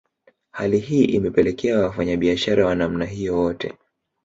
Hali hii imepelekea Wafanyabiashara wa namna hiyo wote